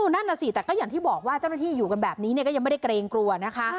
นั่นน่ะสิแต่ก็อย่างที่บอกว่าเจ้าหน้าที่อยู่กันแบบนี้ก็ยังไม่ได้เกรงกลัวนะคะ